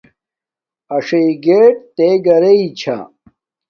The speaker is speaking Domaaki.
اݽ گیٹ تے گھرݵ چھا